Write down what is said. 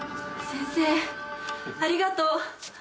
先生ありがとう。